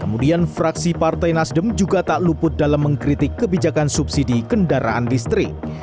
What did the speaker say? kemudian fraksi partai nasdem juga tak luput dalam mengkritik kebijakan subsidi kendaraan listrik